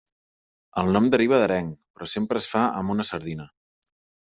El nom deriva d'areng però sempre es fa amb una sardina.